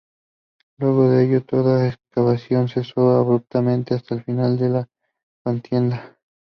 Luego de ello toda excavación cesó abruptamente hasta el final de la contienda.